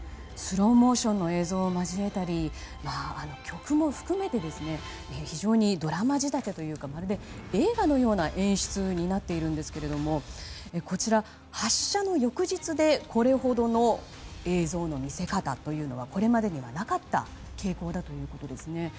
スローモーションの映像を交えたり曲も含めて非常にドラマ仕立てというかまるで映画のような演出になっているんですけどもこちら、発射の翌日でこれほどの映像の見せ方というのはこれまでにはなかった傾向だということですね。